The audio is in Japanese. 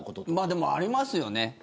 でもありますよね。